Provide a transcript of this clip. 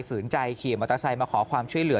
ฝืนใจขี่มอเตอร์ไซค์มาขอความช่วยเหลือ